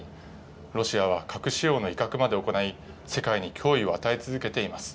ロシアは核使用の威嚇まで行い、世界に脅威を与え続けています。